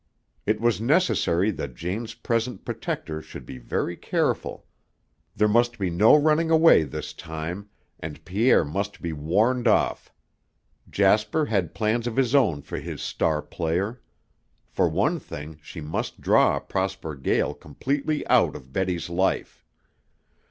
It was necessary that Jane's present protector should be very careful. There must be no running away this time, and Pierre must be warned off. Jasper had plans of his own for his star player. For one thing she must draw Prosper Gael completely out of Betty's life.